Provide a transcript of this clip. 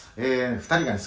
２人がね